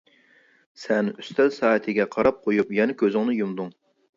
سەن ئۈستەل سائىتىگە قاراپ قويۇپ يەنە كۈزۈڭنى يۇمدۇڭ.